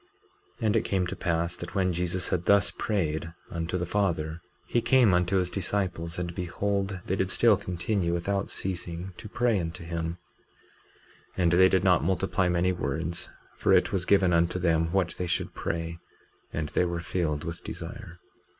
19:24 And it came to pass that when Jesus had thus prayed unto the Father, he came unto his disciples, and behold, they did still continue, without ceasing, to pray unto him; and they did not multiply many words, for it was given unto them what they should pray, and they were filled with desire.